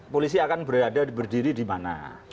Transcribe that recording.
polisi akan berada berdiri di mana